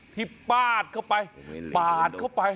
ปาดเข้าไปปาดเข้าไป